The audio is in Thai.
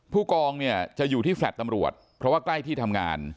ผู้กองเนี่ยจะอยู่ที่แฟลต์ตำรวจเพราะว่าใกล้ที่ทำงาน